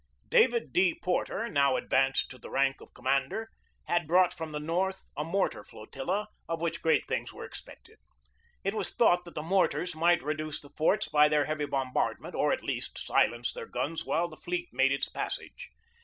David D. Porter, now advanced to the rank of commander, had brought from the North a mortar flotilla of which great things were expected. It was thought that the mortars might reduce the forts by their heavy bombardment, or at least silence their guns while the fleet made its passage.